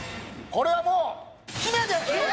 これはもうヒメです